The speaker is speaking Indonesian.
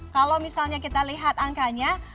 kalau misalnya kita lihat angkanya